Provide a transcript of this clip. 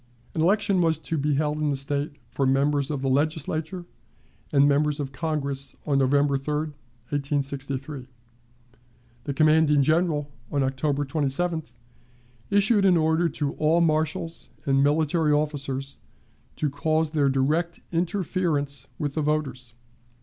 An election was to be held in the State for members of the Legislature and members of Congress on November 3, 1863. The commanding General, on October 27th, issued an order to all marshals and military officers to cause their direct interference with the voters.